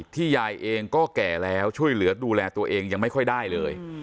ยายเองก็แก่แล้วช่วยเหลือดูแลตัวเองยังไม่ค่อยได้เลย